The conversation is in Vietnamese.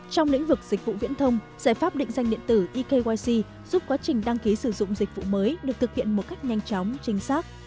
trong lĩnh vực dịch vụ viễn thông giải pháp định danh điện tử ekyc giúp quá trình đăng ký sử dụng dịch vụ mới được thực hiện một cách nhanh chóng chính xác